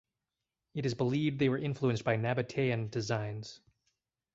It is believed they were influenced by Nabatean designs.